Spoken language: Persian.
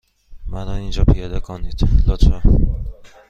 مرا اینجا پیاده کنید، لطفا.